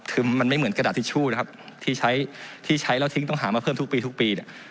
ถึงมันไม่เหมือนกระดาษทิชชู่นะครับที่ใช้แล้วทิ้งต้องหามาเพิ่มทุกปี